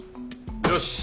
よし！